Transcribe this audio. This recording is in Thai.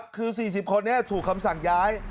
คือ๔๐คนนี้ถูกคำสั่งย้าย